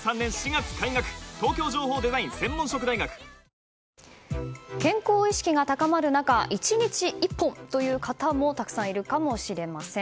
ぷはーっ健康意識が高まる中１日１本という方もたくさんいるかもしれません。